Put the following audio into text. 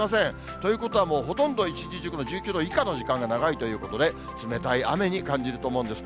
ということは、もうほとんど一日中、１９度以下の時間が長いということで、冷たい雨に感じると思うんです。